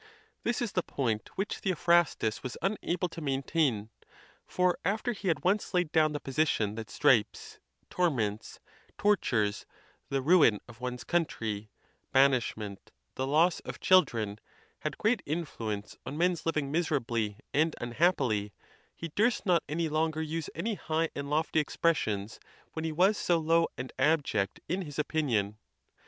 This is the point which Theophrastus was unable to maintain; for after he had once laid down the position that stripes, torments, tortures, the ruin of one's country, banishment, the loss of children, had great influence on men's living miserably and unhappily, he durst not any longer use any high and lofty expressions when he was so low and abject in his opinion.